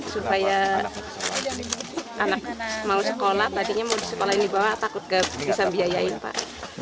supaya anak mau sekolah tadinya mau di sekolah ini bawa takut ke pisang biayain pak